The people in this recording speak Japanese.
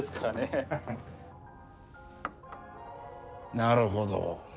なるほど。